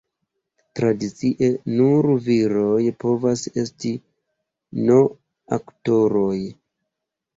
Tradicie, nur viroj povas esti no-aktoroj.